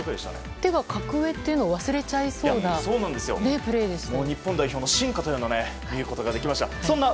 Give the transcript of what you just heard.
相手が格上っていうのを忘れちゃいそうなプレーでしたね。